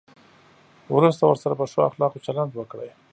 وروسته ورسره په ښو اخلاقو چلند وکړئ.